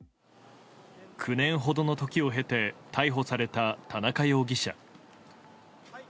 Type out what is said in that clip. ９年ほどの時を経て逮捕された田中容疑者。